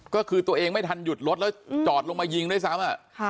ก็คือตัวเองไม่ทันหยุดรถแล้วจอดลงมายิงด้วยซ้ำ